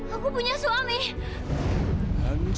aku punya suami